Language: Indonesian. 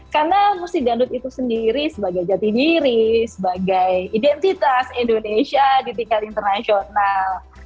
karena musik dangdut itu sendiri sebagai jati diri sebagai identitas indonesia di tingkat internasional